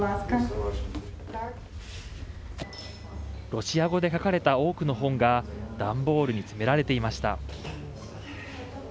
ロシア語で書かれた多くの本が段ボールに詰められていました。